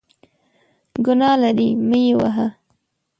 ګناه لري ، مه یې وهه !